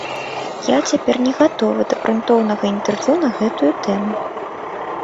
Я цяпер не гатовы да грунтоўнага інтэрв'ю на гэтую тэму.